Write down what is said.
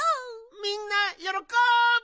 みんなよろこぶ！